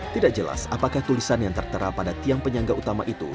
tidak jelas apakah tulisan yang tertera pada tiang penyangga utama itu